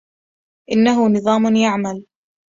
إنه نظامٌ يعمل.